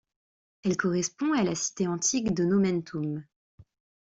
Elle correspond à la cité antique de Nomentum.